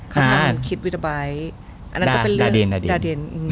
เขาทำคิดวิทยาบายอันนั้นก็เป็นเรื่องดาดีนดาดีน